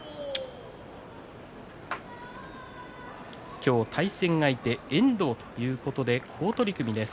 今日、対戦相手遠藤ということで好取組です。